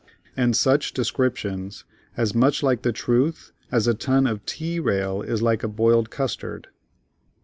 And such descriptions, as much like the truth as a ton of "T" rail is like a boiled custard.